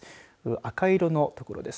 赤色の所です。